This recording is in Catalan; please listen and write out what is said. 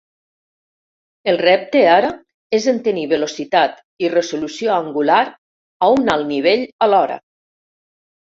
El repte, ara, és en tenir velocitat i resolució angular a un alt nivell alhora.